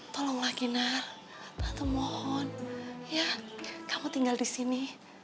tolonglah kinar tante mohon ya kamu tinggal di sini